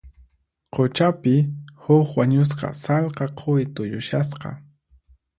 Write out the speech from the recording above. Quchapi, huk wañusqa sallqa quwi tuyushasqa.